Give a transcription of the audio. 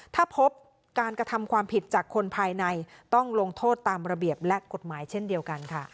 ถ้าพบการกระทำความผิดจากคนภายในต้องลงโทษตามระเบียบและกฎหมายเช่นเดียวกันค่ะ